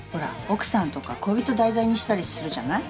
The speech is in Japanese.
奥さんとか恋人題材にしたりするじゃない？